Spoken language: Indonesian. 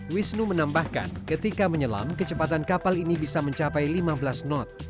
wisnu menambahkan ketika menyelam kecepatan kapal ini bisa mencapai lima belas knot